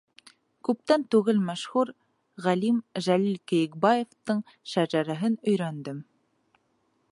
Күптән түгел мәшһүр ғалим Жәлил Кейекбаевтың шәжәрәһен өйрәндем.